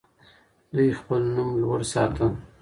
دوی خپل نوم لوړ ساته.